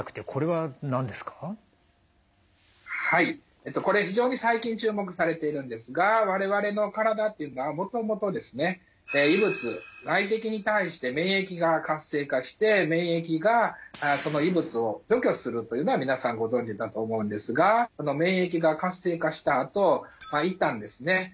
はいこれ非常に最近注目されているんですが我々の体っていうのはもともとですね異物外敵に対して免疫が活性化して免疫がその異物を除去するというのは皆さんご存じだと思うんですが免疫が活性化したあと一旦ですね